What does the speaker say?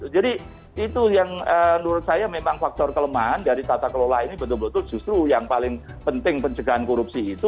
jadi itu yang menurut saya memang faktor kelemahan dari tata kelola ini betul betul justru yang paling penting pencegahan korupsi itu